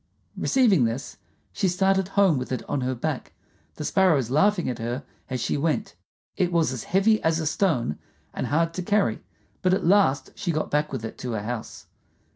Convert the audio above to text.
Receiving this, she started home with it on her back, the sparrows laughing at her as she went. It was as heavy as a stone, and hard to carry, but at last she got back with it to her house.